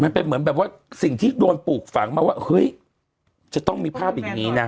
มันเป็นเหมือนแบบว่าสิ่งที่โดนปลูกฝังมาว่าเฮ้ยจะต้องมีภาพอย่างนี้นะ